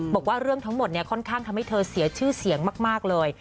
บอกว่าเรื่องทั้งหมดค่อนข้างทำให้เธอเสียชื่อเสียงมากเลย